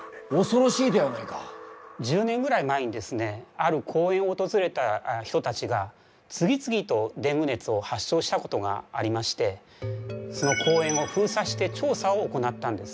ある公園を訪れた人たちが次々とデング熱を発症したことがありましてその公園を封鎖して調査を行ったんです。